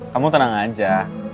kamu tenang aja